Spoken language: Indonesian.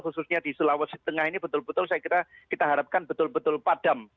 khususnya di sulawesi tengah ini betul betul saya kira kita harapkan betul betul padam